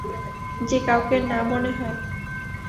যে কাউকেই না মনে হয়।